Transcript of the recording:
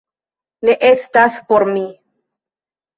Ne estas por mi